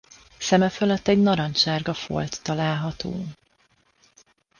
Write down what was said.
Szeme fölött egy narancssárga folt található.